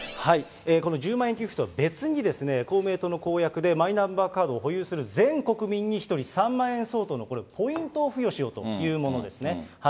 この１０万円給付とは別に、公明党の公約で、マイナンバーカードを保有する全国民に１人３万円相当のポイントを付与しようというものですね。